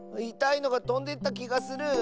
いたいのがとんでったきがする！